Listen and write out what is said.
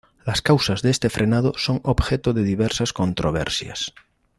Las causas de este frenado son objeto de diversas controversias.